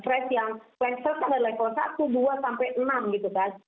stres yang fleksibel adalah glukosa satu dua sampai enam gitu kan